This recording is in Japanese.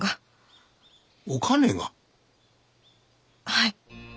はい。